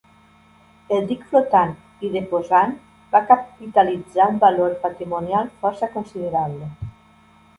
El Dic Flotant i Deposant va capitalitzar un valor patrimonial força considerable.